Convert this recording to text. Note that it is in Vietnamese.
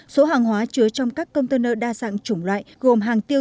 số hàng hóa chứa trong các container đa dạng chủng loại gồm hàng tiêu